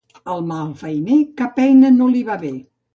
Al malfeiner cap eina no li va bé.